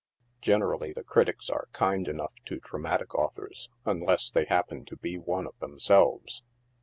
Generally the critics are kind enough to dramatic authors, unless they happen to be one of themselves.